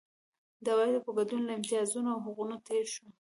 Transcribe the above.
د عوایدو په ګډون له امتیازونو او حقونو تېر شو.